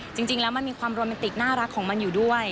จริงแล้วมันมีความโรแมนติกน่ารักของมันอยู่ด้วย